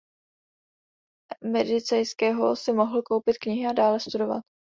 Medicejského si mohl koupit knihy a dále studovat.